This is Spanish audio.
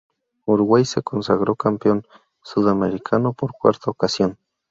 Uruguay se consagró campeón sudamericano por cuarta ocasión.